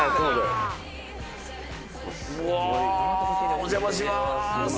お邪魔します。